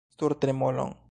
Sur tremolon!